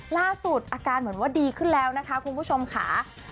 ล่าสุดอาการเหมือนว่าดีขึ้นแล้วนะคะคุณผู้ชมค่ะ